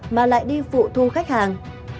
mà lại đi phụ thu khách hàng